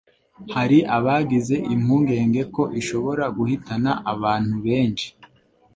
hari abagize impungenge ko ishobora guhitana abantu benshi,